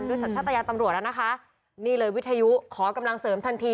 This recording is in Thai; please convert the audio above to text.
สัญชาติยานตำรวจแล้วนะคะนี่เลยวิทยุขอกำลังเสริมทันที